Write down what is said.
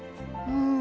うん。